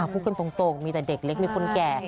พูดกันตรงมีแต่เด็กเล็กมีคนแก่